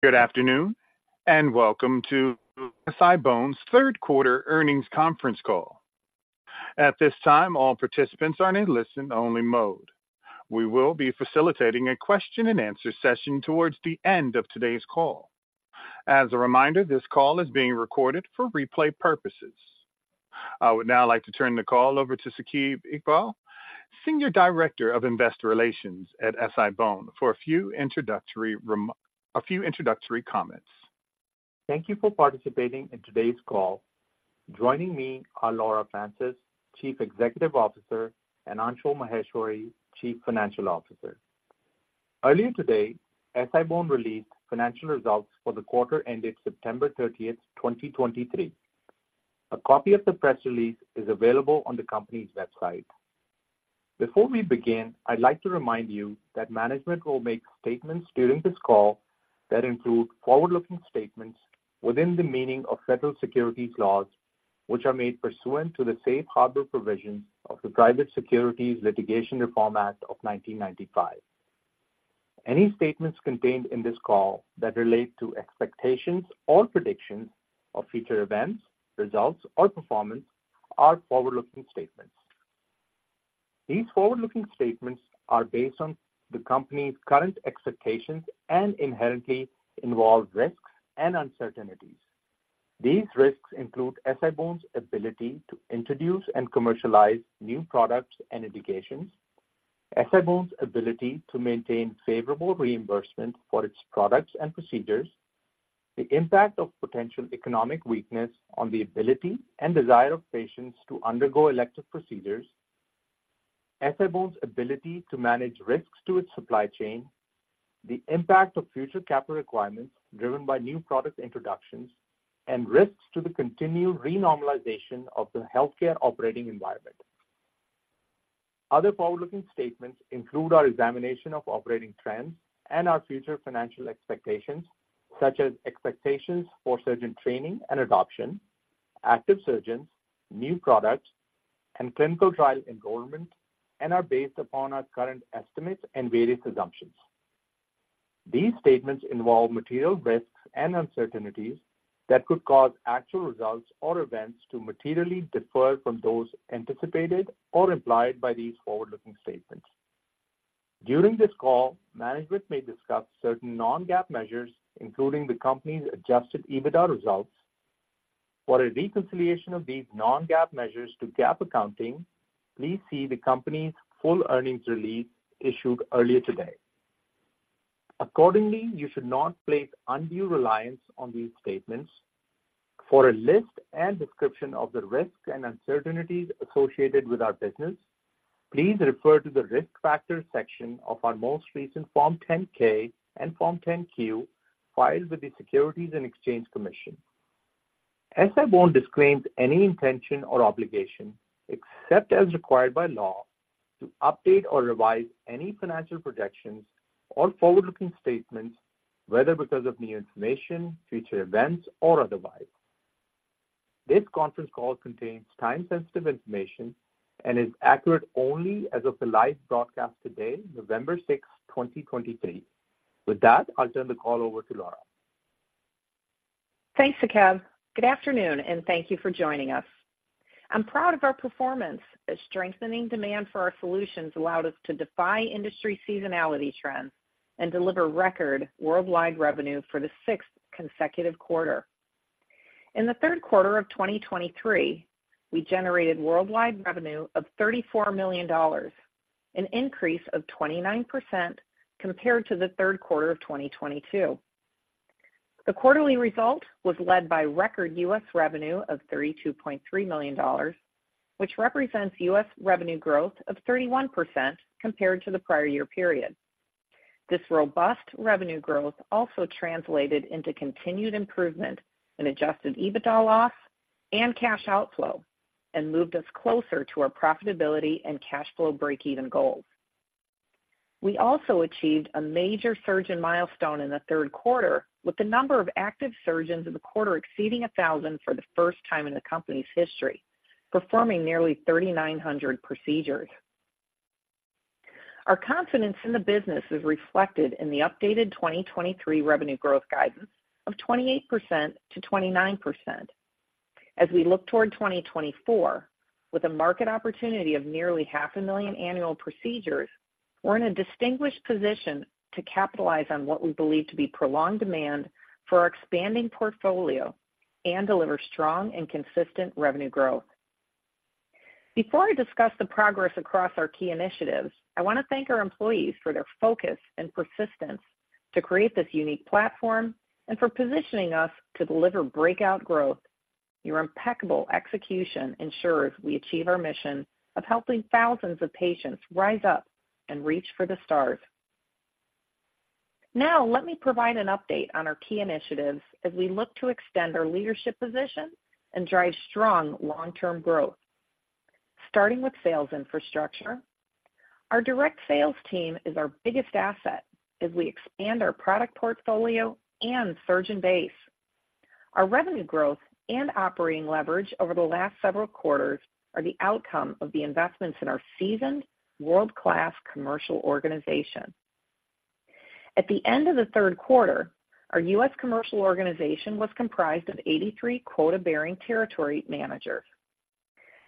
Good afternoon, and welcome to SI-BONE's Third Quarter Earnings Conference Call. At this time, all participants are in listen-only mode. We will be facilitating a question-and-answer session towards the end of today's call. As a reminder, this call is being recorded for replay purposes. I would now like to turn the call over to Saqib Iqbal, Senior Director of Investor Relations at SI-BONE, for a few introductory comments. Thank you for participating in today's call. Joining me are Laura Francis, Chief Executive Officer, and Anshul Maheshwari, Chief Financial Officer. Earlier today, SI-BONE released financial results for the quarter ended September 30, 2023. A copy of the press release is available on the company's website. Before we begin, I'd like to remind you that management will make statements during this call that include forward-looking statements within the meaning of federal securities laws, which are made pursuant to the safe harbor provisions of the Private Securities Litigation Reform Act of 1995. Any statements contained in this call that relate to expectations or predictions of future events, results, or performance are forward-looking statements. These forward-looking statements are based on the company's current expectations and inherently involve risks and uncertainties. These risks include SI-BONE's ability to introduce and commercialize new products and indications, SI-BONE's ability to maintain favorable reimbursement for its products and procedures, the impact of potential economic weakness on the ability and desire of patients to undergo elective procedures, SI-BONE's ability to manage risks to its supply chain, the impact of future capital requirements driven by new product introductions, and risks to the continued renormalization of the healthcare operating environment. Other forward-looking statements include our examination of operating trends and our future financial expectations, such as expectations for surgeon training and adoption, active surgeons, new products, and clinical trial enrollment, and are based upon our current estimates and various assumptions. These statements involve material risks and uncertainties that could cause actual results or events to materially differ from those anticipated or implied by these forward-looking statements. During this call, management may discuss certain non-GAAP measures, including the company's Adjusted EBITDA results. For a reconciliation of these non-GAAP measures to GAAP accounting, please see the company's full earnings release issued earlier today. Accordingly, you should not place undue reliance on these statements. For a list and description of the risks and uncertainties associated with our business, please refer to the Risk Factors section of our most recent Form 10-K and Form 10-Q filed with the Securities and Exchange Commission. SI-BONE disclaims any intention or obligation, except as required by law, to update or revise any financial projections or forward-looking statements, whether because of new information, future events, or otherwise. This conference call contains time-sensitive information and is accurate only as of the live broadcast today, November sixth, twenty twenty-three. With that, I'll turn the call over to Laura. Thanks, Saqib. Good afternoon, and thank you for joining us. I'm proud of our performance as strengthening demand for our solutions allowed us to defy industry seasonality trends and deliver record worldwide revenue for the sixth consecutive quarter. In the third quarter of 2023, we generated worldwide revenue of $34 million, an increase of 29% compared to the third quarter of 2022. The quarterly result was led by record U.S. revenue of $32.3 million, which represents U.S. revenue growth of 31% compared to the prior year period. This robust revenue growth also translated into continued improvement in Adjusted EBITDA loss and cash outflow and moved us closer to our profitability and cash flow breakeven goals. We also achieved a major surgeon milestone in the third quarter, with the number of active surgeons in the quarter exceeding 1,000 for the first time in the company's history, performing nearly 3,900 procedures. Our confidence in the business is reflected in the updated 2023 revenue growth guidance of 28%-29%. As we look toward 2024, with a market opportunity of nearly 500,000 annual procedures, we're in a distinguished position to capitalize on what we believe to be prolonged demand for our expanding portfolio and deliver strong and consistent revenue growth. Before I discuss the progress across our key initiatives, I want to thank our employees for their focus and persistence to create this unique platform and for positioning us to deliver breakout growth. Your impeccable execution ensures we achieve our mission of helping thousands of patients rise up and reach for the stars. Now, let me provide an update on our key initiatives as we look to extend our leadership position and drive strong long-term growth. Starting with sales infrastructure, our direct sales team is our biggest asset as we expand our product portfolio and surgeon base... Our revenue growth and operating leverage over the last several quarters are the outcome of the investments in our seasoned world-class commercial organization. At the end of the third quarter, our U.S. commercial organization was comprised of 83 quota-bearing territory managers.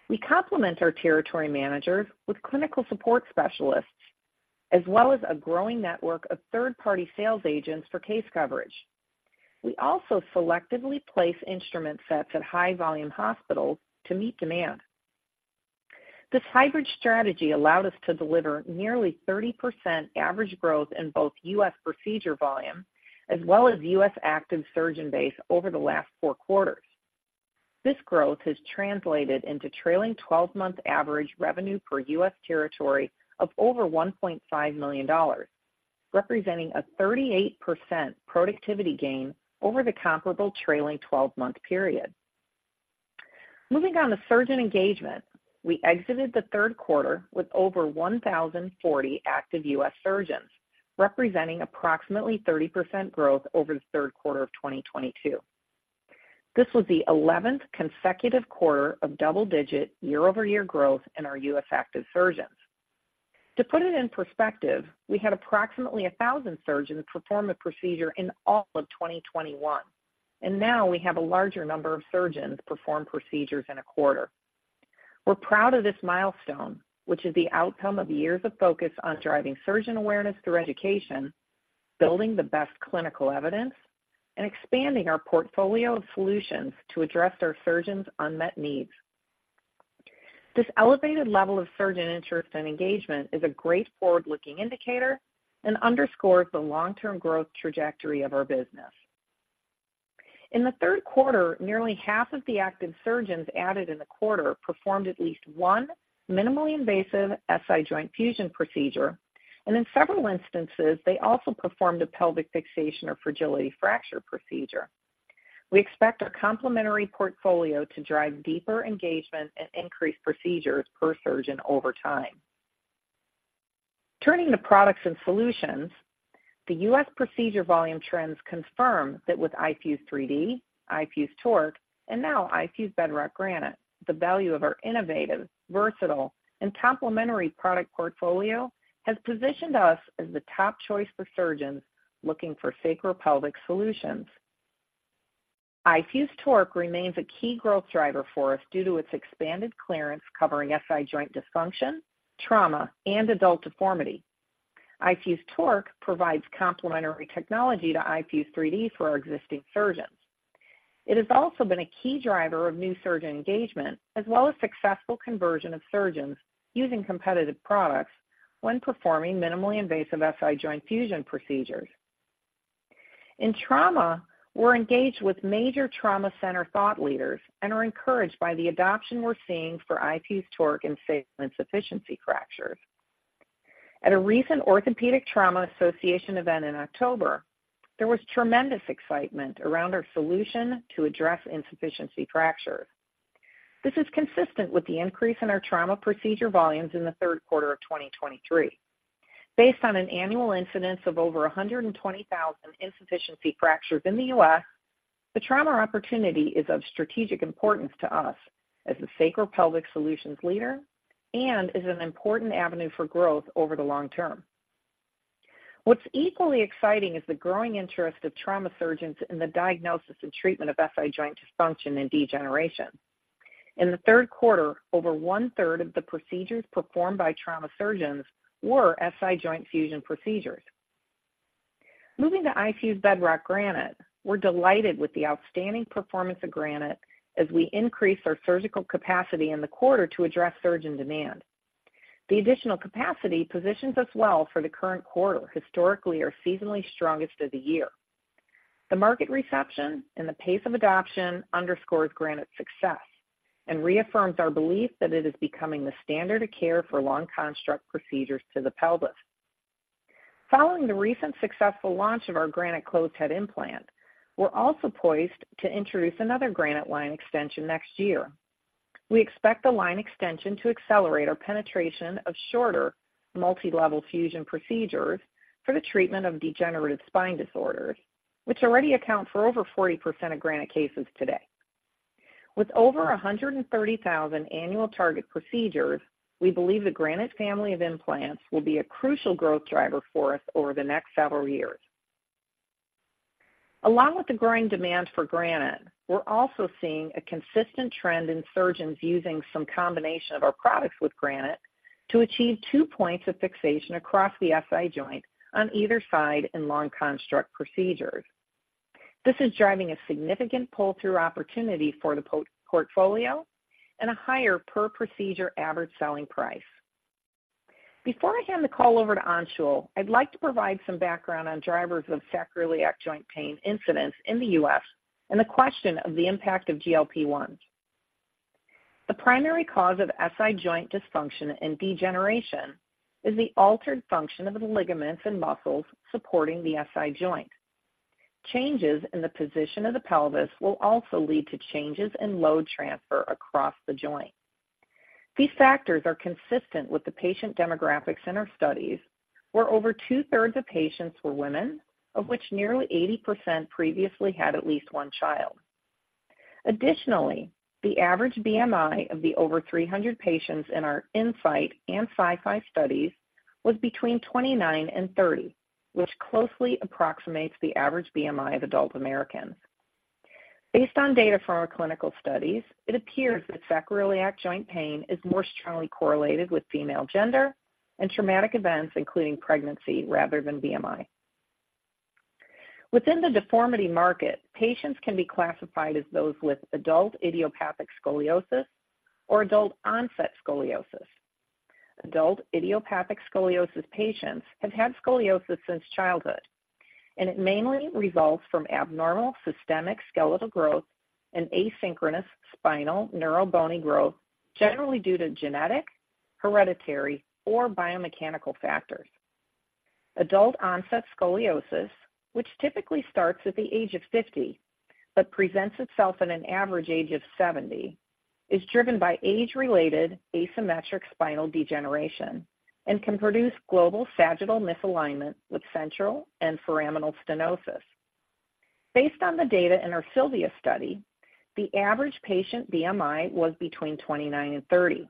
We complement our territory managers with clinical support specialists, as well as a growing network of third-party sales agents for case coverage. We also selectively place instrument sets at high-volume hospitals to meet demand. This hybrid strategy allowed us to deliver nearly 30% average growth in both U.S. procedure volume as well as U.S. active surgeon base over the last four quarters. This growth has translated into trailing twelve-month average revenue per U.S. territory of over $1.5 million, representing a 38% productivity gain over the comparable trailing twelve-month period. Moving on to surgeon engagement. We exited the third quarter with over 1,040 active U.S. surgeons, representing approximately 30% growth over the third quarter of 2022. This was the 11th consecutive quarter of double-digit year-over-year growth in our U.S. active surgeons. To put it in perspective, we had approximately a thousand surgeons perform a procedure in all of 2021, and now we have a larger number of surgeons perform procedures in a quarter. We're proud of this milestone, which is the outcome of years of focus on driving surgeon awareness through education, building the best clinical evidence, and expanding our portfolio of solutions to address our surgeons' unmet needs. This elevated level of surgeon interest and engagement is a great forward-looking indicator and underscores the long-term growth trajectory of our business. In the third quarter, nearly half of the active surgeons added in the quarter performed at least one minimally invasive SI joint fusion procedure, and in several instances, they also performed a pelvic fixation or fragility fracture procedure. We expect our complementary portfolio to drive deeper engagement and increase procedures per surgeon over time. Turning to products and solutions, the U.S. procedure volume trends confirm that with iFuse 3D, iFuse TORQ, and now iFuse Bedrock Granite, the value of our innovative, versatile, and complementary product portfolio has positioned us as the top choice for surgeons looking for sacropelvic solutions. iFuse TORQ remains a key growth driver for us due to its expanded clearance covering SI joint dysfunction, trauma, and adult deformity. iFuse TORQ provides complementary technology to iFuse 3D for our existing surgeons. It has also been a key driver of new surgeon engagement, as well as successful conversion of surgeons using competitive products when performing minimally invasive SI joint fusion procedures. In trauma, we're engaged with major trauma center thought leaders and are encouraged by the adoption we're seeing for iFuse TORQ in sacral insufficiency fractures. At a recent Orthopaedic Trauma Association event in October, there was tremendous excitement around our solution to address insufficiency fractures. This is consistent with the increase in our trauma procedure volumes in the third quarter of 2023. Based on an annual incidence of over 120,000 insufficiency fractures in the U.S., the trauma opportunity is of strategic importance to us as a sacral pelvic solutions leader and is an important avenue for growth over the long-term. What's equally exciting is the growing interest of trauma surgeons in the diagnosis and treatment of SI joint dysfunction and degeneration. In the third quarter, over one-third of the procedures performed by trauma surgeons were SI joint fusion procedures. Moving to iFuse Bedrock Granite, we're delighted with the outstanding performance of Granite as we increase our surgical capacity in the quarter to address surgeon demand. The additional capacity positions us well for the current quarter, historically our seasonally strongest of the year. The market reception and the pace of adoption underscores Granite's success and reaffirms our belief that it is becoming the standard of care for long construct procedures to the pelvis. Following the recent successful launch of our Granite closed-head implant, we're also poised to introduce another Granite line extension next year. We expect the line extension to accelerate our penetration of shorter, multi-level fusion procedures for the treatment of degenerative spine disorders, which already account for over 40% of Granite cases today. With over 130,000 annual target procedures, we believe the Granite family of implants will be a crucial growth driver for us over the next several years. Along with the growing demand for Granite, we're also seeing a consistent trend in surgeons using some combination of our products with Granite to achieve two points of fixation across the SI joint on either side in long construct procedures. This is driving a significant pull-through opportunity for the portfolio and a higher per procedure average selling price. Before I hand the call over to Anshul, I'd like to provide some background on drivers of sacroiliac joint pain incidence in the U.S. and the question of the impact of GLP-1. The primary cause of SI joint dysfunction and degeneration is the altered function of the ligaments and muscles supporting the SI joint. Changes in the position of the pelvis will also lead to changes in load transfer across the joint. These factors are consistent with the patient demographics in our studies, where over two-thirds of patients were women, of which nearly 80% previously had at least one child. Additionally, the average BMI of the over 300 patients in our INSIGHT and SIFI studies was between 29 and 30, which closely approximates the average BMI of adult Americans. Based on data from our clinical studies, it appears that sacroiliac joint pain is more strongly correlated with female gender and traumatic events, including pregnancy, rather than BMI. Within the deformity market, patients can be classified as those with Adult Idiopathic Scoliosis or Adult-Onset Scoliosis. Adult Idiopathic Scoliosis patients have had scoliosis since childhood, and it mainly results from abnormal systemic skeletal growth and asynchronous spinal neurobony growth, generally due to genetic, hereditary, or biomechanical factors. Adult-Onset Scoliosis, which typically starts at the age of 50 but presents itself at an average age of 70, is driven by age-related asymmetric spinal degeneration and can produce global sagittal misalignment with central and foraminal stenosis. Based on the data in our SILVIA study, the average patient BMI was between 29 and 30.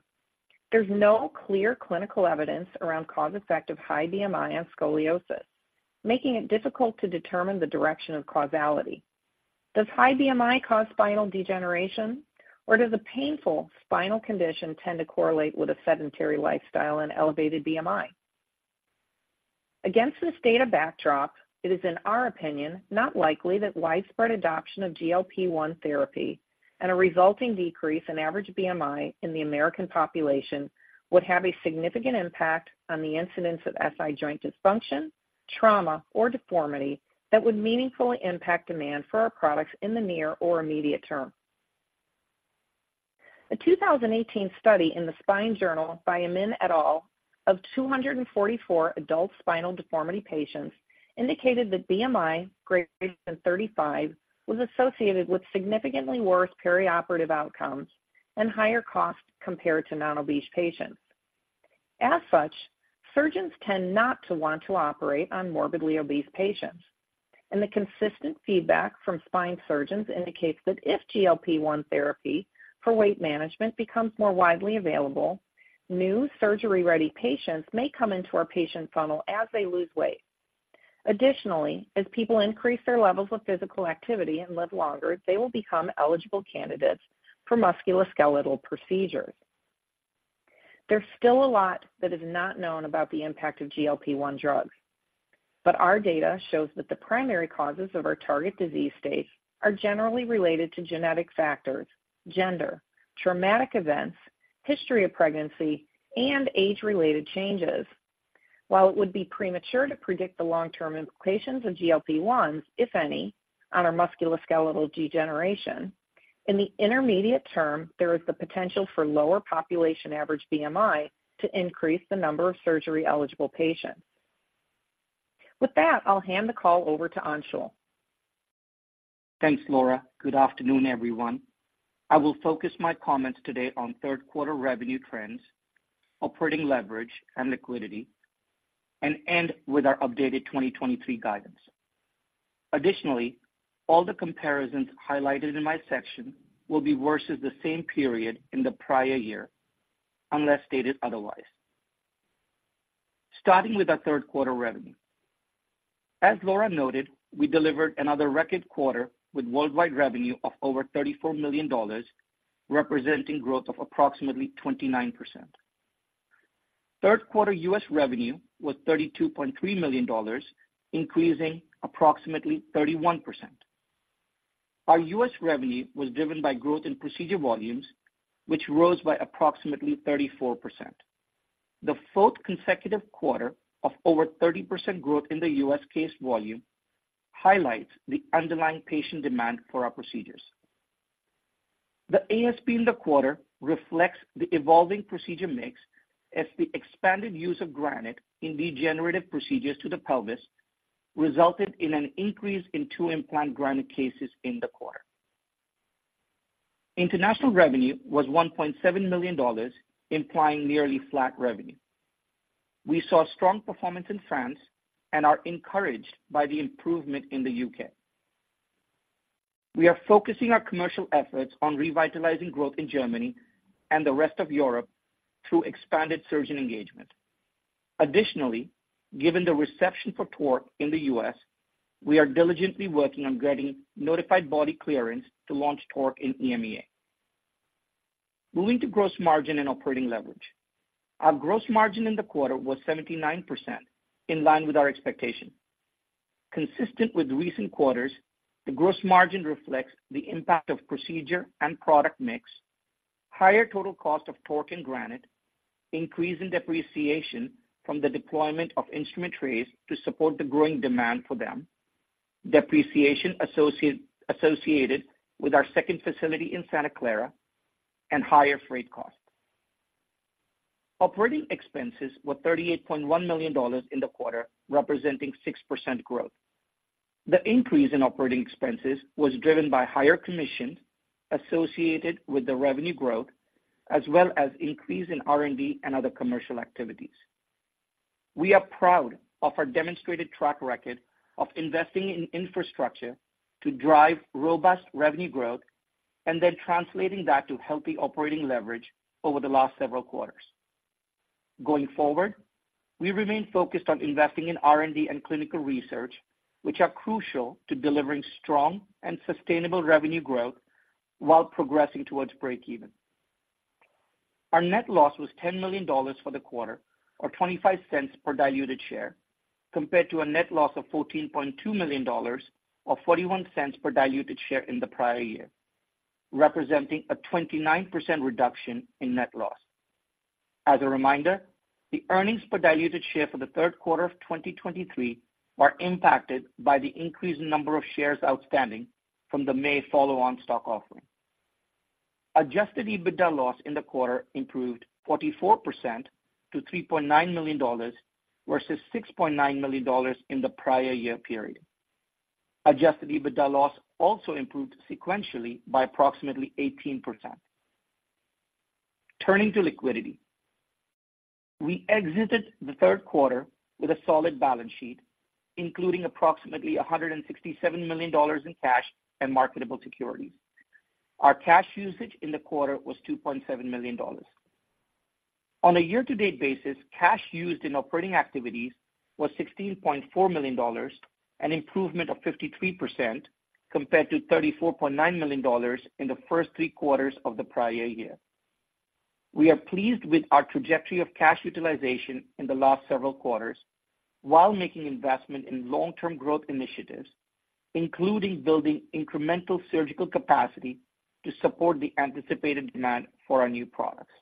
There's no clear clinical evidence around cause-effect of high BMI on scoliosis, making it difficult to determine the direction of causality. Does high BMI cause spinal degeneration, or does a painful spinal condition tend to correlate with a sedentary lifestyle and elevated BMI? Against this data backdrop, it is, in our opinion, not likely that widespread adoption of GLP-1 therapy and a resulting decrease in average BMI in the American population would have a significant impact on the incidence of SI joint dysfunction, trauma, or deformity that would meaningfully impact demand for our products in the near or immediate term. A 2018 study in the Spine Journal by Amin et al. of 244 adult spinal deformity patients indicated that BMI greater than 35 was associated with significantly worse perioperative outcomes and higher costs compared to non-obese patients. As such, surgeons tend not to want to operate on morbidly obese patients, and the consistent feedback from spine surgeons indicates that if GLP-1 therapy for weight management becomes more widely available, new surgery-ready patients may come into our patient funnel as they lose weight. Additionally, as people increase their levels of physical activity and live longer, they will become eligible candidates for musculoskeletal procedures. There's still a lot that is not known about the impact of GLP-1 drugs, but our data shows that the primary causes of our target disease states are generally related to genetic factors, gender, traumatic events, history of pregnancy, and age-related changes. While it would be premature to predict the long-term implications of GLP-1s, if any, on our musculoskeletal degeneration, in the intermediate term, there is the potential for lower population average BMI to increase the number of surgery-eligible patients. With that, I'll hand the call over to Anshul. Thanks, Laura. Good afternoon, everyone. I will focus my comments today on third quarter revenue trends, operating leverage, and liquidity, and end with our updated 2023 guidance. Additionally, all the comparisons highlighted in my section will be versus the same period in the prior year, unless stated otherwise. Starting with our third quarter revenue. As Laura noted, we delivered another record quarter with worldwide revenue of over $34 million, representing growth of approximately 29%. Third quarter U.S. revenue was $32.3 million, increasing approximately 31%. Our U.S. revenue was driven by growth in procedure volumes, which rose by approximately 34%. The fourth consecutive quarter of over 30% growth in the U.S. case volume highlights the underlying patient demand for our procedures. The ASP in the quarter reflects the evolving procedure mix as the expanded use of Granite in degenerative procedures to the pelvis resulted in an increase in two implant Granite cases in the quarter. International revenue was $1.7 million, implying nearly flat revenue. We saw strong performance in France and are encouraged by the improvement in the U.K. We are focusing our commercial efforts on revitalizing growth in Germany and the rest of Europe through expanded surgeon engagement. Additionally, given the reception for TORQ in the U.S., we are diligently working on getting notified body clearance to launch TORQ in EMEA. Moving to gross margin and operating leverage. Our gross margin in the quarter was 79%, in line with our expectation. Consistent with recent quarters, the gross margin reflects the impact of procedure and product mix, higher total cost of TORQ and Granite, increase in depreciation from the deployment of instrument trays to support the growing demand for them, depreciation associated with our second facility in Santa Clara, and higher freight costs. Operating expenses were $38.1 million in the quarter, representing 6% growth. The increase in operating expenses was driven by higher commissions associated with the revenue growth, as well as increase in R&D and other commercial activities. We are proud of our demonstrated track record of investing in infrastructure to drive robust revenue growth and then translating that to healthy operating leverage over the last several quarters. Going forward, we remain focused on investing in R&D and clinical research, which are crucial to delivering strong and sustainable revenue growth while progressing towards breakeven. Our net loss was $10 million for the quarter, or $0.25 per diluted share, compared to a net loss of $14.2 million, or $0.41 per diluted share in the prior year, representing a 29% reduction in net loss. As a reminder, the earnings per diluted share for the third quarter of 2023 are impacted by the increased number of shares outstanding from the May follow-on stock offering. Adjusted EBITDA loss in the quarter improved 44% to $3.9 million versus $6.9 million in the prior year period. Adjusted EBITDA loss also improved sequentially by approximately 18%. Turning to liquidity. We exited the third quarter with a solid balance sheet, including approximately $167 million in cash and marketable securities. Our cash usage in the quarter was $2.7 million. On a year-to-date basis, cash used in operating activities was $16.4 million, an improvement of 53% compared to $34.9 million in the first three quarters of the prior year. We are pleased with our trajectory of cash utilization in the last several quarters while making investment in long-term growth initiatives, including building incremental surgical capacity to support the anticipated demand for our new products.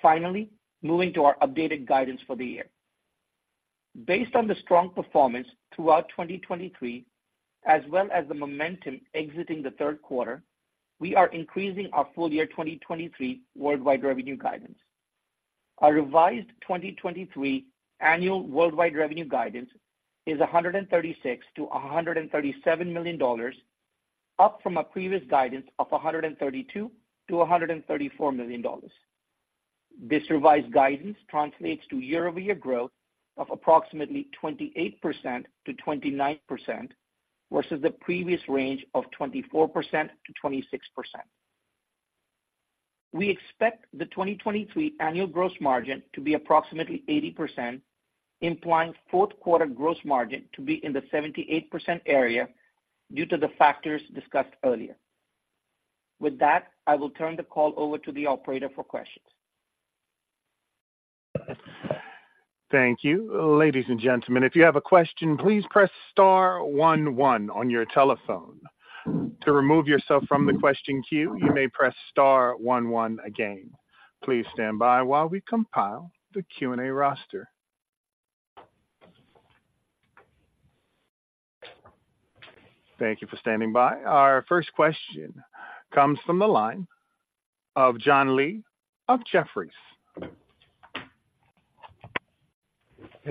Finally, moving to our updated guidance for the year. Based on the strong performance throughout 2023, as well as the momentum exiting the third quarter, we are increasing our full year 2023 worldwide revenue guidance. Our revised 2023 annual worldwide revenue guidance is $136 million-$137 million, up from a previous guidance of $132 million-$134 million. This revised guidance translates to year-over-year growth of approximately 28%-29%, versus the previous range of 24%-26%. We expect the 2023 annual gross margin to be approximately 80%, implying fourth quarter gross margin to be in the 78% area due to the factors discussed earlier. With that, I will turn the call over to the operator for questions. Thank you. Ladies and gentlemen, if you have a question, please press star one, one on your telephone. To remove yourself from the question queue, you may press star one, one again. Please stand by while we compile the Q&A roster. Thank you for standing by. Our first question comes from the line of Young Li of Jefferies.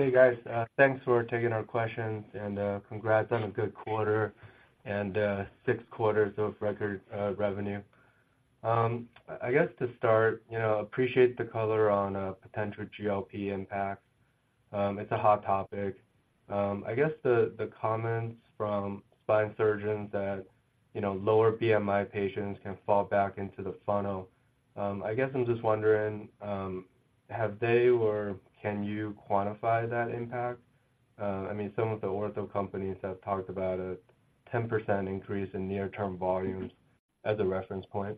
Hey, guys, thanks for taking our questions, and congrats on a good quarter and six quarters of record revenue. I guess to start, you know, appreciate the color on potential GLP impact. It's a hot topic. I guess the comments from spine surgeons that, you know, lower BMI patients can fall back into the funnel. I guess I'm just wondering, have they, or can you quantify that impact? I mean, some of the ortho companies have talked about a 10% increase in near-term volumes as a reference point.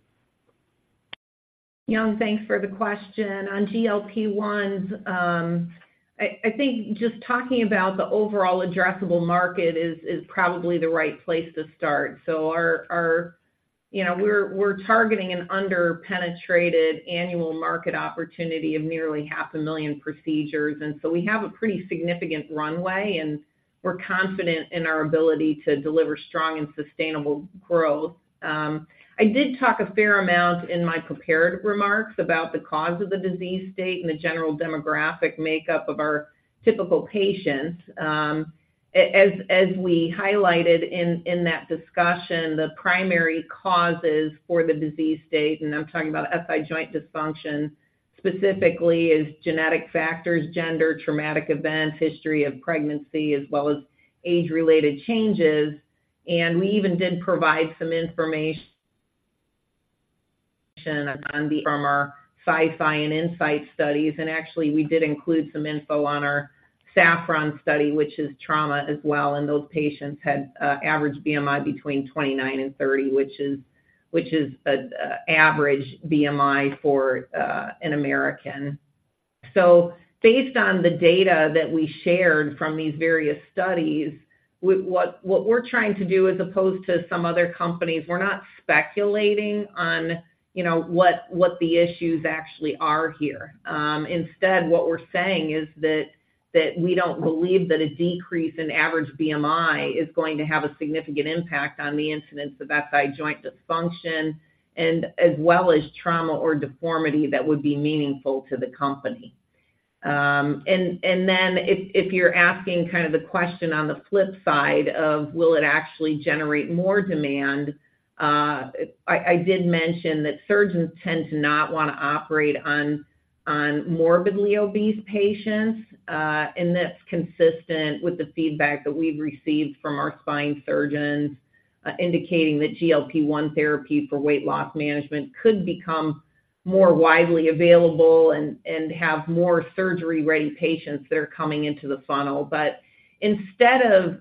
Young, thanks for the question. On GLP-1s, I think just talking about the overall addressable market is probably the right place to start. So our, you know, we're targeting an under-penetrated annual market opportunity of nearly 500,000 procedures, and so we have a pretty significant runway, and we're confident in our ability to deliver strong and sustainable growth. I did talk a fair amount in my prepared remarks about the cause of the disease state and the general demographic makeup of our typical patients. As we highlighted in that discussion, the primary causes for the disease state, and I'm talking about SI joint dysfunction, specifically, is genetic factors, gender, traumatic events, history of pregnancy, as well as age-related changes. And we even did provide some information from our SIFI and INSIGHT studies. Actually, we did include some info on our SAFFRON study, which is trauma as well, and those patients had average BMI between 29 and 30, which is an average BMI for an American. So based on the data that we shared from these various studies, what we're trying to do, as opposed to some other companies, we're not speculating on, you know, what the issues actually are here. Instead, what we're saying is that that we don't believe that a decrease in average BMI is going to have a significant impact on the incidence of SI joint dysfunction and as well as trauma or deformity that would be meaningful to the company. And then if you're asking kind of the question on the flip side of will it actually generate more demand? I did mention that surgeons tend to not want to operate on morbidly obese patients, and that's consistent with the feedback that we've received from our spine surgeons, indicating that GLP-1 therapy for weight loss management could become more widely available and have more surgery-ready patients that are coming into the funnel. But instead of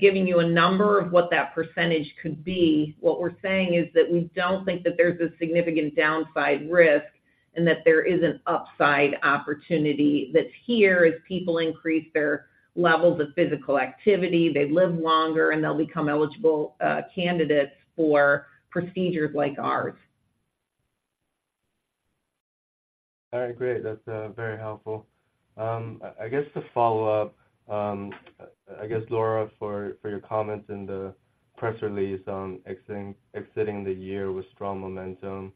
giving you a number of what that percentage could be, what we're saying is that we don't think that there's a significant downside risk, and that there is an upside opportunity that's here. As people increase their levels of physical activity, they live longer, and they'll become eligible candidates for procedures like ours. All right, great. That's very helpful. I guess to follow up, I guess, Laura, for, for your comments in the press release on exiting, exiting the year with strong momentum,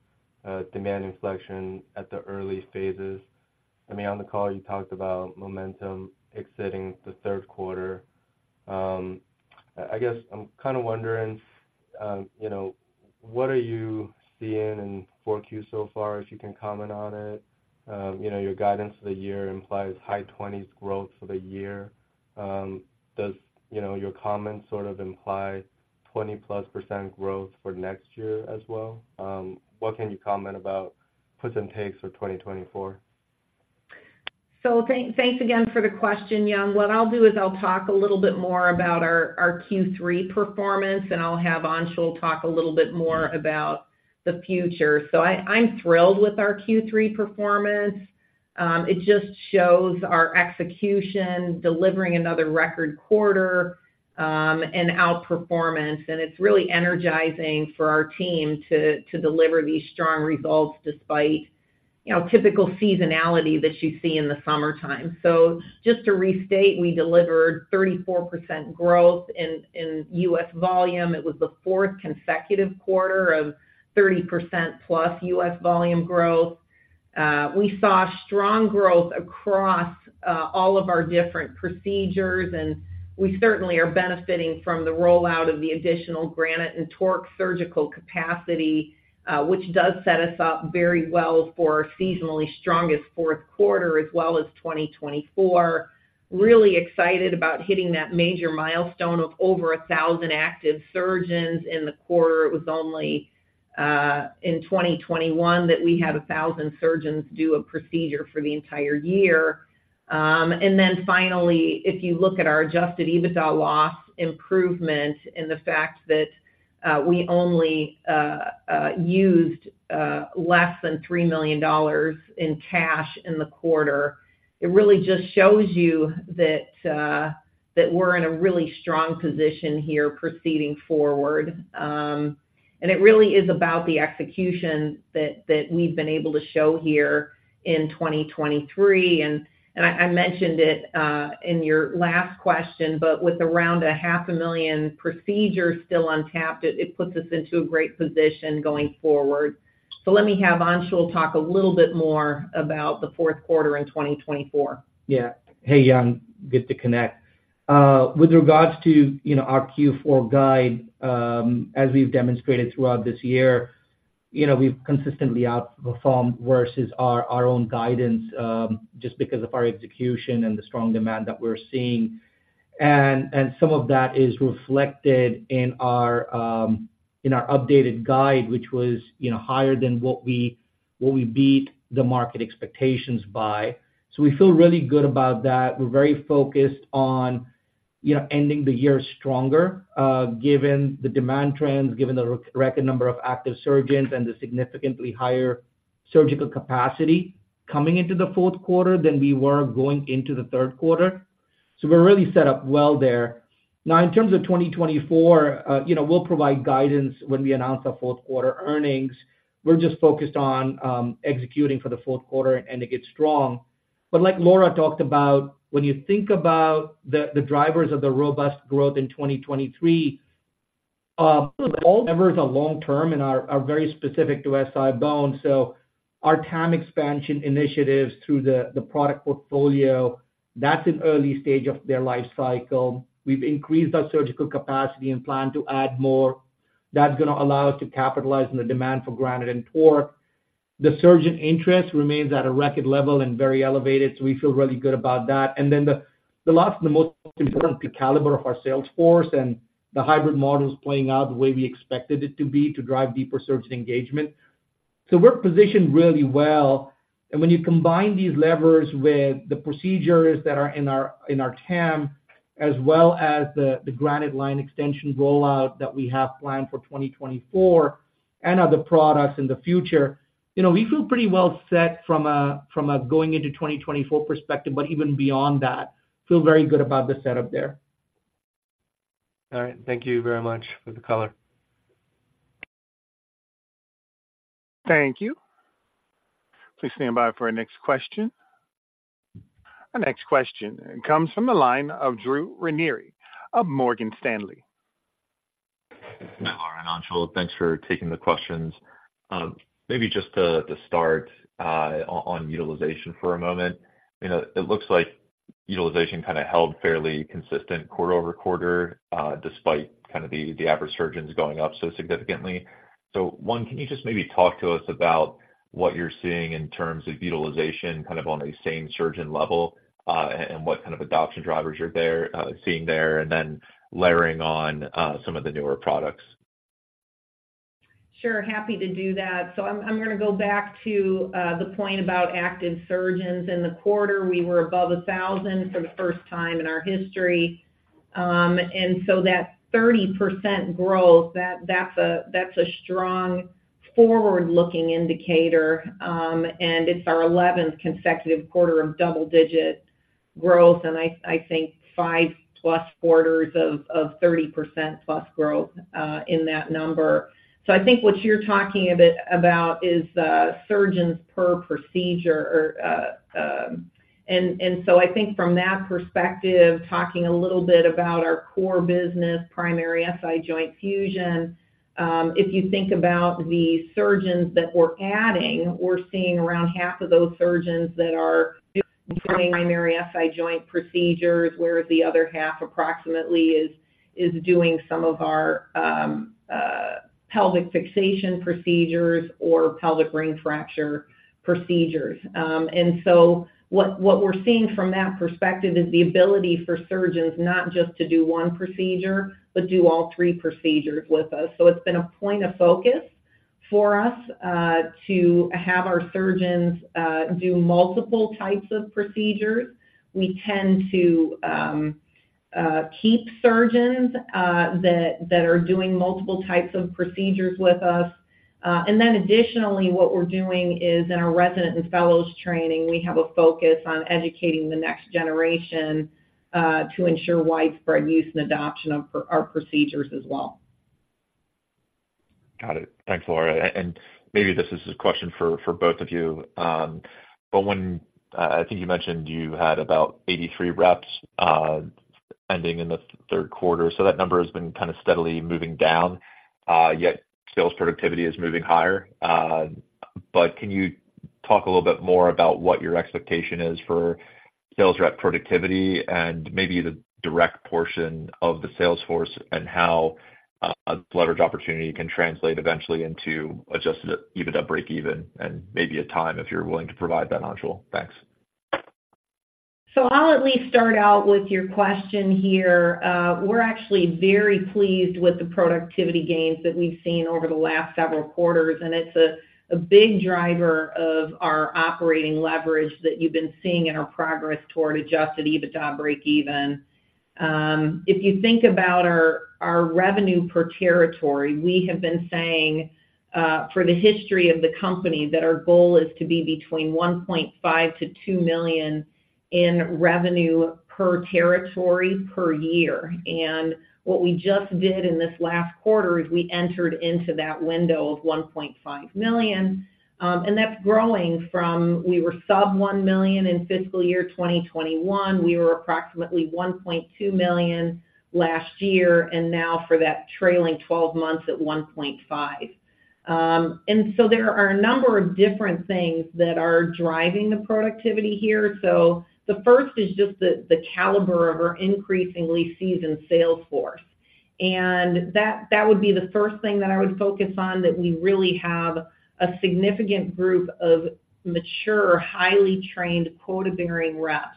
demand inflection at the early phases. I mean, on the call, you talked about momentum exiting the third quarter. I guess I'm kind of wondering, you know, what are you seeing in 4Q so far, if you can comment on it? You know, your guidance for the year implies high 20s growth for the year. Does, you know, your comments sort of imply 20+% growth for next year as well? What can you comment about puts and takes for 2024? So thanks, thanks again for the question, Young. What I'll do is I'll talk a little bit more about our Q3 performance, and I'll have Anshul talk a little bit more about the future. So I'm thrilled with our Q3 performance. It just shows our execution, delivering another record quarter, and outperformance, and it's really energizing for our team to deliver these strong results despite, you know, typical seasonality that you see in the summertime. So just to restate, we delivered 34% growth in U.S. volume. It was the fourth consecutive quarter of 30%+ U.S. volume growth. We saw strong growth across all of our different procedures, and we certainly are benefiting from the rollout of the additional Granite and TORQ surgical capacity, which does set us up very well for our seasonally strongest fourth quarter, as well as 2024. Really excited about hitting that major milestone of over 1,000 active surgeons in the quarter. It was only in 2021 that we had 1,000 surgeons do a procedure for the entire year. Then finally, if you look at our Adjusted EBITDA loss improvement and the fact that we only used less than $3 million in cash in the quarter, it really just shows you that we're in a really strong position here proceeding forward. It really is about the execution that we've been able to show here in 2023. And I mentioned it in your last question, but with around half a million procedures still untapped, it puts us into a great position going forward. So let me have Anshul talk a little bit more about the fourth quarter in 2024. Yeah. Hey, Young. Good to connect. With regards to, you know, our Q4 guide, as we've demonstrated throughout this year, you know, we've consistently outperformed versus our own guidance, just because of our execution and the strong demand that we're seeing. And some of that is reflected in our updated guide, which was, you know, higher than what we beat the market expectations by. So we feel really good about that. We're very focused on, you know, ending the year stronger, given the demand trends, given the record number of active surgeons and the significantly higher surgical capacity coming into the fourth quarter than we were going into the third quarter. So we're really set up well there. Now, in terms of 2024, you know, we'll provide guidance when we announce our fourth quarter earnings. We're just focused on executing for the fourth quarter, and it gets strong. But like Laura talked about, when you think about the drivers of the robust growth in 2023, all levers are long-term and are very specific to SI-BONE. So our TAM expansion initiatives through the product portfolio, that's an early stage of their life cycle. We've increased our surgical capacity and plan to add more. That's gonna allow us to capitalize on the demand for Granite and TORQ. The surgeon interest remains at a record level and very elevated, so we feel really good about that. And then the last and the most important, the caliber of our sales force and the hybrid model is playing out the way we expected it to be, to drive deeper surgeon engagement. So we're positioned really well, and when you combine these levers with the procedures that are in our TAM, as well as the Granite line extension rollout that we have planned for 2024 and other products in the future, you know, we feel pretty well set from a going into 2024 perspective, but even beyond that, feel very good about the setup there. All right. Thank you very much for the color.... Thank you. Please stand by for our next question. Our next question comes from the line of Drew Ranieri of Morgan Stanley. Hi, Laura and Anshul. Thanks for taking the questions. Maybe just to start on utilization for a moment. You know, it looks like utilization kinda held fairly consistent quarter-over-quarter, despite kind of the average surgeons going up so significantly. So one, can you just maybe talk to us about what you're seeing in terms of utilization, kind of on a same surgeon level, and what kind of adoption drivers are there seeing there, and then layering on some of the newer products? Sure, happy to do that. So I'm gonna go back to the point about active surgeons. In the quarter, we were above 1,000 for the first time in our history. And so that 30% growth, that's a strong forward-looking indicator, and it's our eleventh consecutive quarter of double-digit growth, and I think 5+ quarters of 30%+ growth in that number. So I think what you're talking a bit about is surgeons per procedure or... So I think from that perspective, talking a little bit about our core business, primary SI joint fusion, if you think about the surgeons that we're adding, we're seeing around half of those surgeons that are doing primary SI joint procedures, whereas the other half, approximately, is doing some of our pelvic fixation procedures or pelvic ring fracture procedures. And so what we're seeing from that perspective is the ability for surgeons not just to do one procedure, but do all three procedures with us. So it's been a point of focus for us to have our surgeons do multiple types of procedures. We tend to keep surgeons that are doing multiple types of procedures with us. And then additionally, what we're doing is in our resident and fellows training, we have a focus on educating the next generation, to ensure widespread use and adoption of our procedures as well. Got it. Thanks, Laura. Maybe this is a question for both of you. But when I think you mentioned you had about 83 reps ending in the third quarter, so that number has been kind of steadily moving down, yet sales productivity is moving higher. But can you talk a little bit more about what your expectation is for sales rep productivity and maybe the direct portion of the sales force, and how leverage opportunity can translate eventually into Adjusted EBITDA breakeven, and maybe a time if you're willing to provide that, Anshul? Thanks. So I'll at least start out with your question here. We're actually very pleased with the productivity gains that we've seen over the last several quarters, and it's a big driver of our operating leverage that you've been seeing in our progress toward adjusted EBITDA breakeven. If you think about our revenue per territory, we have been saying, for the history of the company, that our goal is to be between $1.5 million-$2 million in revenue per territory per year. And what we just did in this last quarter is we entered into that window of $1.5 million, and that's growing from, we were sub $1 million in fiscal year 2021. We were approximately $1.2 million last year, and now for that trailing twelve months at $1.5 million. And so there are a number of different things that are driving the productivity here. So the first is just the caliber of our increasingly seasoned sales force. And that would be the first thing that I would focus on, that we really have a significant group of mature, highly trained, quota-bearing reps.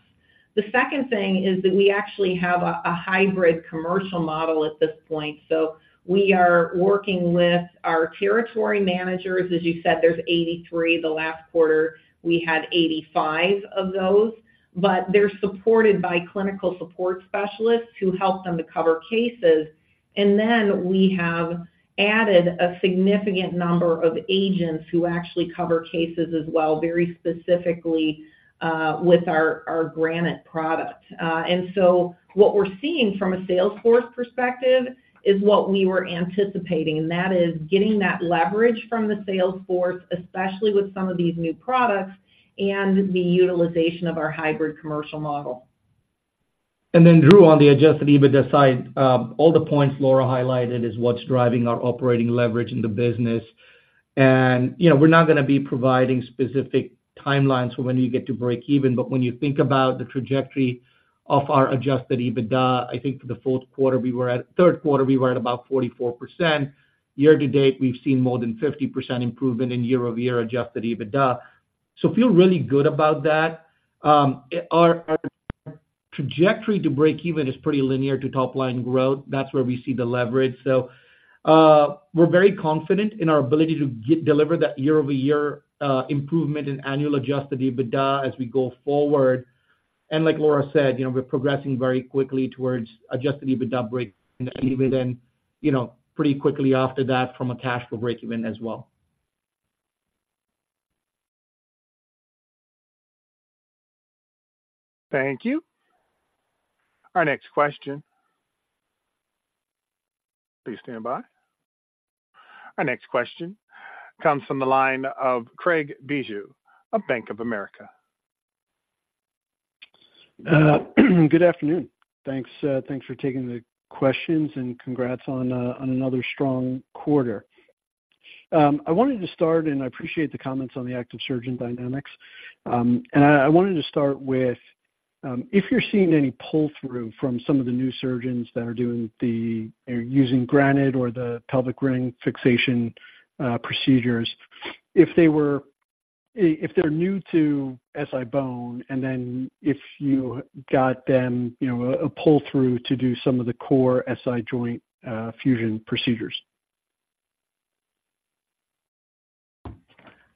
The second thing is that we actually have a hybrid commercial model at this point. So we are working with our territory managers. As you said, there's 83. The last quarter, we had 85 of those, but they're supported by clinical support specialists who help them to cover cases. And then we have added a significant number of agents who actually cover cases as well, very specifically, with our Granite product. And so what we're seeing from a sales force perspective is what we were anticipating, and that is getting that leverage from the sales force, especially with some of these new products and the utilization of our hybrid commercial model. And then, Drew, on the Adjusted EBITDA side, all the points Laura highlighted is what's driving our operating leverage in the business. And you know, we're not gonna be providing specific timelines for when you get to breakeven, but when you think about the trajectory of our Adjusted EBITDA, I think for the fourth quarter, we were at—third quarter, we were at about 44%. Year to date, we've seen more than 50% improvement in year-over-year Adjusted EBITDA. So feel really good about that. Our trajectory to breakeven is pretty linear to top line growth. That's where we see the leverage. So, we're very confident in our ability to deliver that year-over-year improvement in annual Adjusted EBITDA as we go forward. Like Laura said, you know, we're progressing very quickly towards Adjusted EBITDA breakeven, you know, pretty quickly after that from a cash flow breakeven as well. ... Thank you. Our next question. Please stand by. Our next question comes from the line of Craig Bijou of Bank of America. Good afternoon. Thanks, thanks for taking the questions, and congrats on, on another strong quarter. I wanted to start, and I appreciate the comments on the active surgeon dynamics. And I wanted to start with, if you're seeing any pull-through from some of the new surgeons that are doing the, they're using Granite or the pelvic ring fixation procedures, if they were—if they're new to SI-BONE, and then if you got them, you know, a pull-through to do some of the core SI joint fusion procedures.